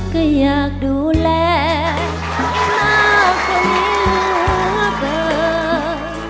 ก็อยากดูแลไม่รักกันอย่างเกิน